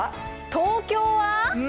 東京は。